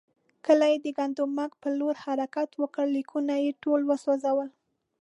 کله یې د ګندمک پر لور حرکت وکړ، لیکونه یې ټول وسوځول.